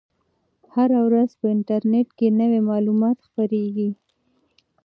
هره ورځ په انټرنیټ کې نوي معلومات خپریږي.